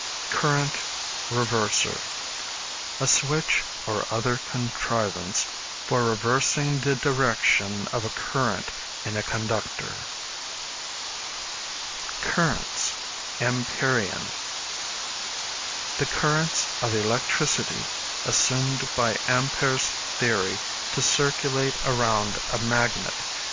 Current Reverser. A switch or other contrivance for reversing the direction of a current in a conductor. Currents, Ampérian. The currents of electricity assumed by Ampere's theory to circulate around a magnet.